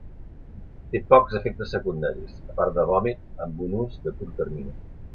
Té pocs efectes secundaris, a part de vòmit amb un ús de curt termini.